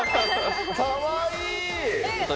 かわいい！